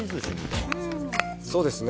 そうですね。